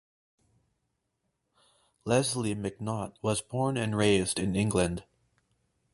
Lesley McNaught was born and raised in England.